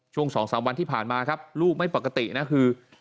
ช่วง๒๓วันที่ผ่านมาครับลูกไม่ปกตินะคือ